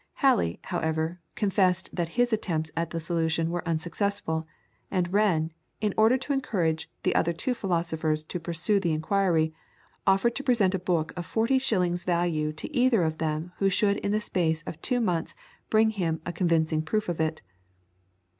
Halley, however, confessed that his attempts at the solution were unsuccessful, and Wren, in order to encourage the other two philosophers to pursue the inquiry, offered to present a book of forty shillings value to either of them who should in the space of two months bring him a convincing proof of it.